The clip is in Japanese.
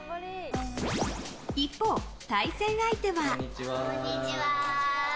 一方、対戦相手は。